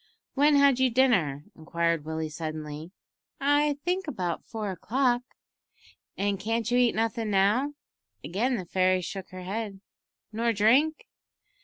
"When had you dinner?" inquired Willie suddenly. "I think about four o'clock." "An' can't you eat nothin' now?" Again the fairy shook her head. "Nor drink?"